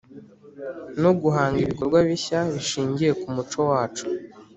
no guhanga ibikorwa bishya bishingiye ku muco wacu.